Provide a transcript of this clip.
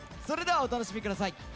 それではお楽しみ下さい。